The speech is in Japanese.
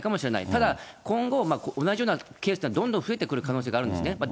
ただ、今後、同じようなケースというのはどんどん増えてくるあるんですね。